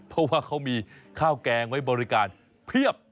เพราะว่าเขามีข้าวแกงไว้บริการเพียบ